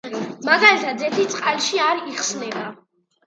მაგალითად ზეთი წყალში არ იხსნება.